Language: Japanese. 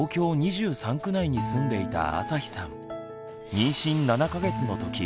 妊娠７か月のとき